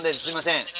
すいません